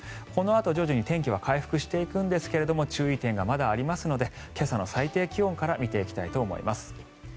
このあと徐々に天気は回復していくんですが注意点がまだありますので今朝の最低気温から見ていきたいと思います。